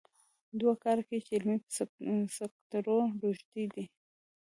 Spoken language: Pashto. دوه کاله کېږي چې علي په سګرېټو روږدی دی.